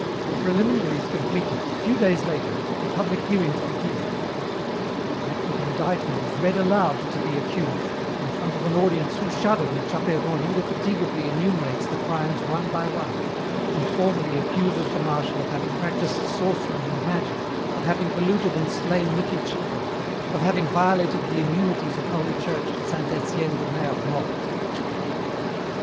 "The preliminaries completed, a few days later, the public hearings begin. The act of indictment is read aloud to the accused, in front of an audience who shudder when Chapeiron indefatigably enumerates the crimes one by one, and formally accuses the Marshal of having practised sorcery and magic, of having polluted and slain little children, of having violated the immunities of Holy Church at Saint Etienne de Mer Morte.